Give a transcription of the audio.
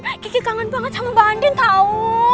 mbak andin kiki kangen banget sama mbak andin tau